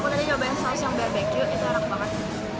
aku tadi nyobain saus yang berbeku ini enak banget